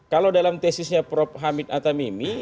kalau dalam tesisnya prof hamid atamimi